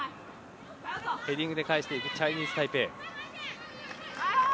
ヘディングで返していくチャイニーズタイペイ。